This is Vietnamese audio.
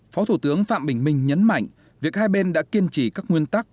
phó thủ tướng phạm bình minh nhấn mạnh việc hai bên đã kiên trì các nguyên tắc